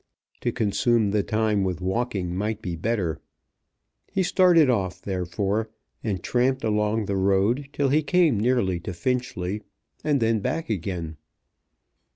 To consume the time with walking might be better. He started off, therefore, and tramped along the road till he came nearly to Finchley, and then back again.